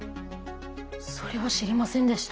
それは知りませんでした。